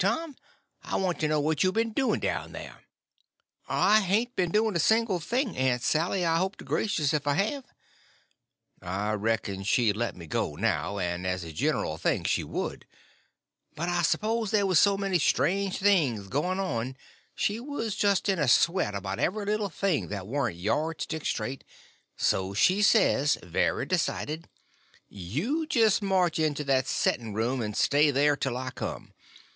Tom, I want to know what you been doing down there." "I hain't been doing a single thing, Aunt Sally, I hope to gracious if I have." I reckoned she'd let me go now, and as a generl thing she would; but I s'pose there was so many strange things going on she was just in a sweat about every little thing that warn't yard stick straight; so she says, very decided: "You just march into that setting room and stay there till I come.